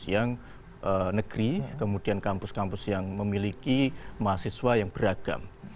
yang negeri kemudian kampus kampus yang memiliki mahasiswa yang beragam